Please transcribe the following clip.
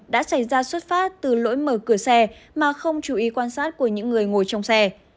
đã xảy ra xuất phát từ lỗi mở cửa xe mà không chú ý quan sát của những người ngồi trong xe